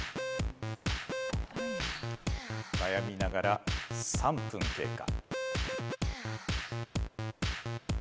悩みながら３分経過。